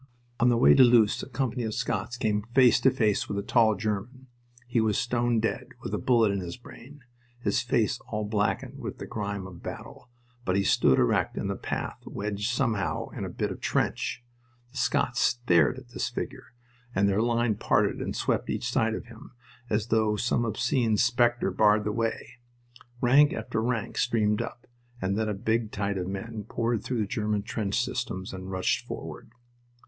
On the way to Loos a company of Scots came face to face with a tall German. He was stone dead, with a bullet in his brain, his face all blackened with the grime of battle; but he stood erect in the path, wedged somehow in a bit of trench. The Scots stared at this figure, and their line parted and swept each side of him, as though some obscene specter barred the way. Rank after rank streamed up, and then a big tide of men poured through the German trench systems and rushed forward.